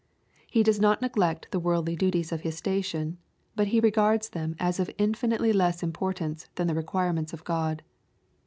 He does not neglect the worldly d.uties of his station, but he res^ards them as of infinitely less importance than the requirements of God.